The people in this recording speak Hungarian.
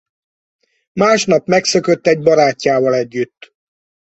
Másnap megszökött egy barátjával együtt.